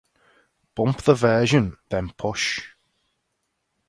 bump the version then push